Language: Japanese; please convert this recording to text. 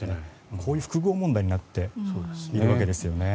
こういう複合問題になっているわけですよね。